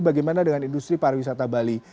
bagaimana dengan industri pariwisata bali